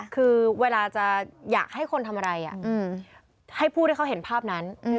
คือเวลาจะอยากให้คนทำอะไรให้ผู้ที่เขาเห็นภาพนั้น